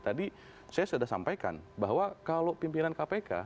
tadi saya sudah sampaikan bahwa kalau pimpinan kpk